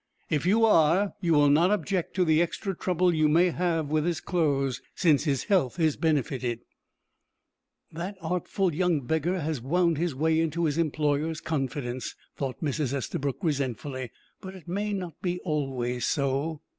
"If you are, you will not object to the extra trouble you may have with his clothes, since his health is benefited." "That artful young beggar has wound his way into his employer's confidence," thought Mrs. Estabrook, resentfully, "but it may not be always so."